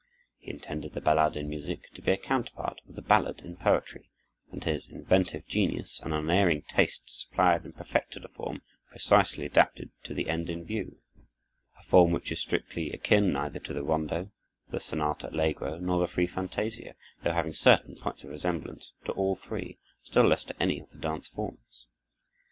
He intended the ballade in music to be a counterpart of the ballad in poetry, and his inventive genius and unerring taste supplied and perfected a form precisely adapted to the end in view; a form which is strictly akin neither to the rondo, the sonata allegro, nor the free fantasia, though having certain points of resemblance to all three, still less to any of the dance forms.